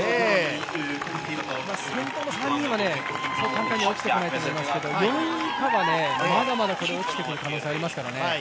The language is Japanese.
先頭の３人は、そう簡単に落ちてこないと思いますけど４位以下はまだまだ落ちてくる可能性がありますからね。